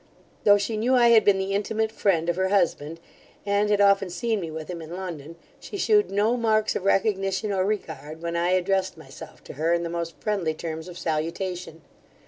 Though she knew I had been the intimate friend of her husband, and had often seen me with him in London, she shewed no marks of recognition or regard, when I addressed myself to her in the most friendly terms of salutation.